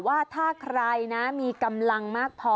ว่าถ้าใครนะมีกำลังมากพอ